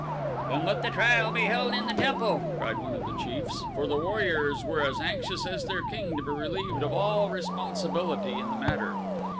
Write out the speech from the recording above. "Then let the trial be held in the temple," cried one of the chiefs, for the warriors were as anxious as their king to be relieved of all responsibility in the matter.